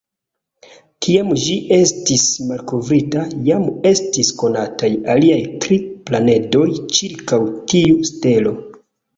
Kiam ĝi estis malkovrita, jam estis konataj aliaj tri planedoj ĉirkaŭ tiu stelo.